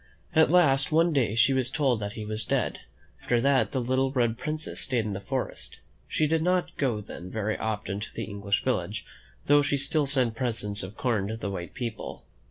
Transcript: At last one day she was told that he was dead. After that the Little Red Princess stayed in the forest. She did not go then very often to the English vil lage, though she still sent presents of corn to the white people.